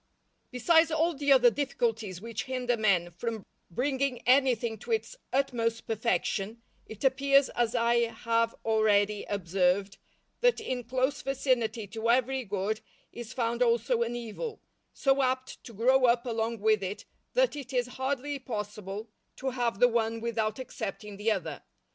_ Besides all the other difficulties which hinder men from bringing anything to its utmost perfection, it appears, as I have already observed, that in close vicinity to every good is found also an evil, so apt to grow up along with it that it is hardly possible to have the one without accepting the other.